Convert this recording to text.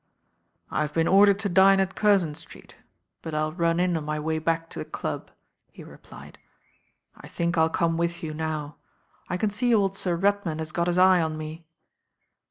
"I've been ordered to dine at Curzon Street; but I'll run in on my way back to the club," he replied. "I think I'll come with you now. I can see old Sir Redman has got his eye on me."